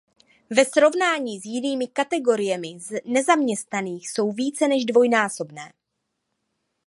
Ve srovnání s jinými kategoriemi nezaměstnaných jsou více než dvojnásobné.